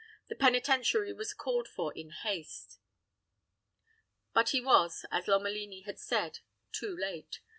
The penitentiary was called for in haste. But he was, as Lomelini had said, too late.